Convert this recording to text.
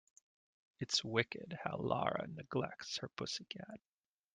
It's wicked how Lara neglects her pussy cat.